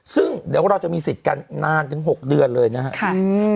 ซึ่งเดี๋ยวเราจะมีสิทธิ์กันนานถึง๖เดือนเลยนะครับ